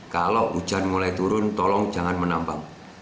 kalau hujan mulai turun tolong jangan menambang